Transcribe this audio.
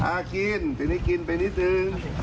อ่าเกลี่ยแล้วจนกินไปนิดหนึ่ง